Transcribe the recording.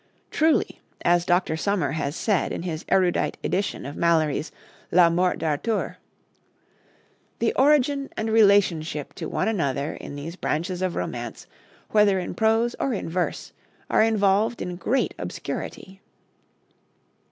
Truly, as Dr. Sommer has said in his erudite edition of Malory's 'La Morte d'Arthur.' "The origin and relationship to one another of these branches of romance, whether in prose or in verse, are involved in great obscurity."